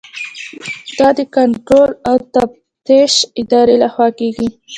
دا د کنټرول او تفتیش ادارې لخوا کیږي.